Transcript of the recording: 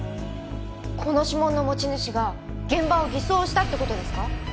この指紋の持ち主が現場を偽装したって事ですか？